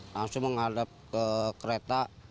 langsung menghadap ke kereta